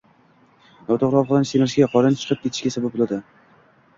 Noto‘g‘ri ovqatlanish semirishga, qorin chiqib ketishiga sabab bo‘ladi